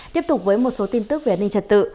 tiếp tục với một số tin tức về an ninh trật tự